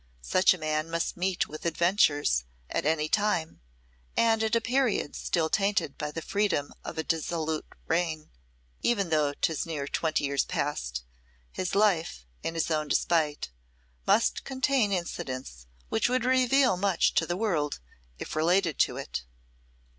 Such a man must meet with adventures at any time, and at a period still tainted by the freedom of a dissolute reign, even though 'tis near twenty years past, his life, in his own despite, must contain incidents which would reveal much to the world, if related to it.